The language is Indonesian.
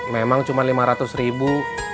memang cuma lima ratus ribu